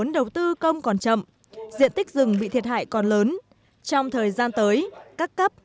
vốn đầu tư công còn chậm diện tích rừng bị thiệt hại còn lớn trong thời gian tới các cấp